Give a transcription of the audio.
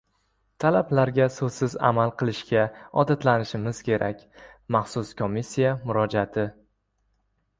«Talablarga so‘zsiz amal qilishga odatlanishimiz kerak»- Maxsus komissiya murojaati